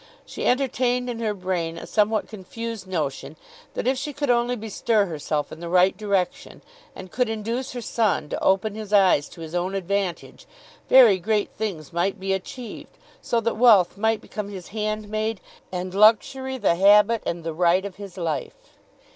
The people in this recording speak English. She entertained in her brain a somewhat confused notion that if she could only bestir herself in the right direction and could induce her son to open his eyes to his own advantage, very great things might be achieved, so that wealth might become his handmaid and luxury the habit and the right of his life.